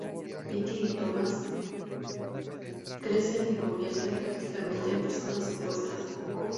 Peter y Thomas crecen y se convierten prácticamente en personas opuestas.